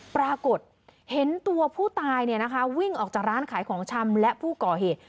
ปรากฏเห็นตัวผู้ตายวิ่งออกจากร้านขายของชำและผู้ก่อเหตุ